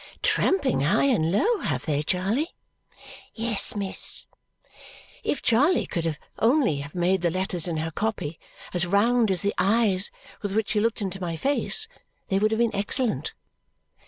"Tramping high and low, have they, Charley?" "Yes, miss." If Charley could only have made the letters in her copy as round as the eyes with which she looked into my face, they would have been excellent.